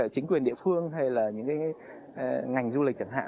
chính quyền địa phương hay là những cái ngành du lịch chẳng hạn